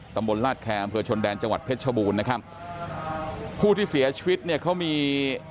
ตลาดแคร์อำเภอชนแดนจังหวัดเพชรชบูรณ์นะครับผู้ที่เสียชีวิตเนี่ยเขามี